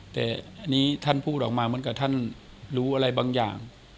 แต่อันนี้ท่านพูดออกมาเหมือนกับท่านรู้อะไรบางอย่าง